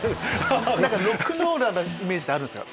ロックンローラーなイメージってあるんですか？